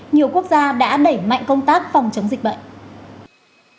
nhiều quốc gia đã đẩy mạnh công tác phòng chống dịch bệnh